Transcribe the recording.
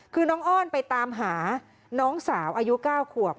คือน้องอ้อนไปตามหาน้องสาวอายุ๙ขวบ